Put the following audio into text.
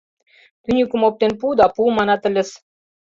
«Тӱньыкым оптен пу да пу» манат ыльыс.